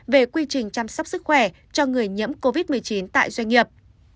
về quy trình chăm sóc sức khỏe cho người nhiễm covid một mươi chín tại doanh nghiệp